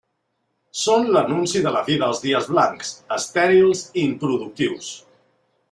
Són l'anunci de la fi dels dies blancs, estèrils i improductius.